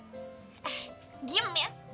eh diem ya